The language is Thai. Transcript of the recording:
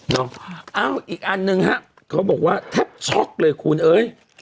เอ้าอีกอันหนึ่งฮะเขาบอกว่าแทบช็อกเลยคุณเอ้ย